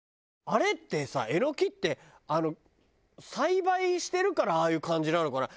あれってさエノキって栽培してるからああいう感じなのかな？